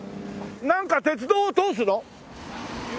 なんか鉄道を通すの？